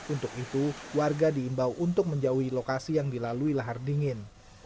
untuk itu warga diimbau untuk menjauhi lokasi yang dilalui lahar dingin